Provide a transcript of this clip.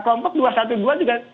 kelompok dua ratus dua belas juga